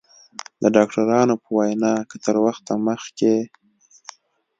د ډاکترانو په وینا که تر وخته مخکې